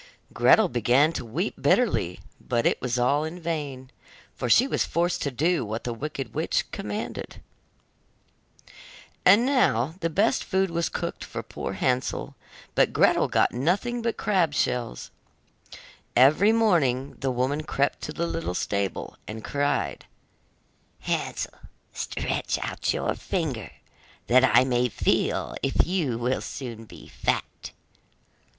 Gretel began to weep bitterly, but it was all in vain, for she was forced to do what the wicked witch commanded. And now the best food was cooked for poor Hansel, but Gretel got nothing but crab shells. Every morning the woman crept to the little stable, and cried: 'Hansel, stretch out your finger that I may feel if you will soon be fat.